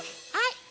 はい。